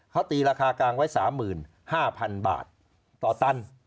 เขาตีราคากลางไว้๓๕๐๐๐บาทต่อตัน